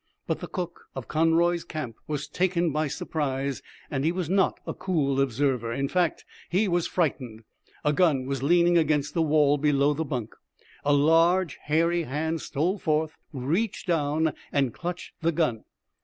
But the cook of Conroy's Camp was taken by surprise, and he was not a cool observer in fact, he was frightened. A gun was leaning against the wall below the bunk. A large, hairy hand stole forth, reached down and clutched the gun.